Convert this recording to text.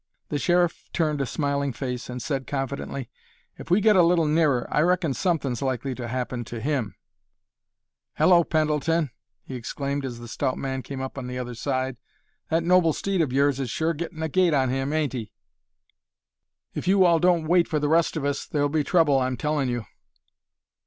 The Sheriff turned a smiling face and said confidently, "If we get a little nearer I reckon somethin''s likely to happen to him. Hello, Pendleton!" he exclaimed as the stout man came up on the other side. "That noble steed of yours is sure gettin' a gait on him, ain't he? If you all don't wait for the rest of us there'll be trouble, I'm tellin' you!"